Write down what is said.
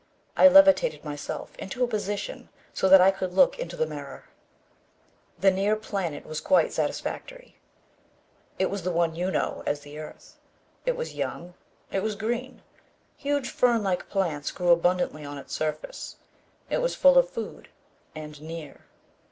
I levitated myself into a position so that I could look into the mirror. The near planet was quite satisfactory. It was the one you know as the earth. It was young. It was green. Huge fern like plants grew abundantly on its surface. It was full of food. And near.